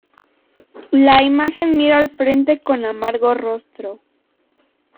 La imagen mira al frente con amargo rostro.